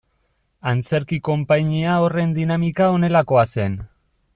Antzerki konpainia horren dinamika honelakoa zen.